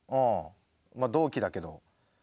まあ同期だけど。